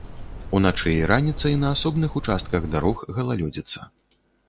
Уначы і раніцай на асобных участках дарог галалёдзіца.